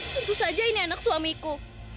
tentu saja ini anak suamiku